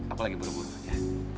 aku lagi burung buring aja